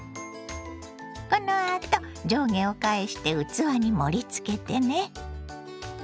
このあと上下を返して器に盛りつけてね。